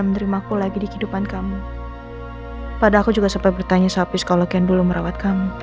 menerima aku lagi di kehidupan kamu pada aku juga sampai bertanya soal psikolog yang dulu merawat